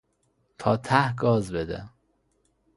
تا ته گاز بده!